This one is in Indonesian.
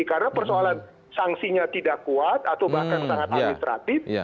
karena persoalan sanksinya tidak kuat atau bahkan sangat administratif